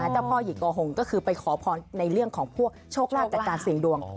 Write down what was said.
เจ้าพ่อหญิงกอหงก็คือไปขอพรในเรื่องของพวกโชคลาภจากการเสี่ยงดวง